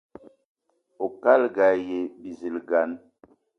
Oukalga aye bizilgan.